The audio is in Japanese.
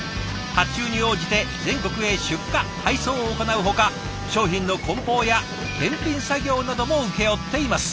発注に応じて全国へ出荷配送を行うほか商品の梱包や検品作業なども請け負っています。